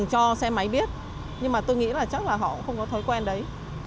cho xe máy biết nhưng mà tôi nghĩ là chắc là họ cũng không có thói quen đấy